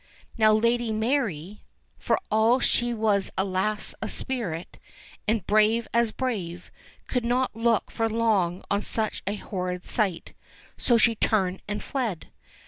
Now Lady Mary, for all she was a lass of spirit, and brave as brave, could not look for long on such a horrid sight, so she turned and fled.